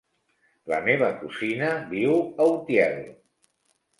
La meva cosina viu a Utiel.